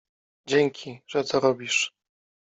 Dzięki, że to robisz.